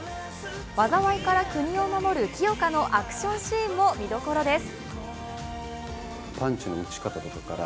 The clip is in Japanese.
災いから国を守る清霞のアクションシーンも見どころです。